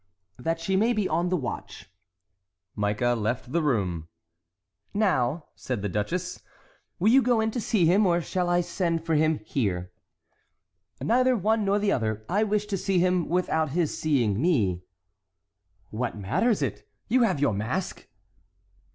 "That she may be on the watch." Mica left the room. "Now," said the duchess, "will you go in to see him, or shall I send for him here?" "Neither the one nor the other. I wish to see him without his seeing me." "What matters it? You have your mask."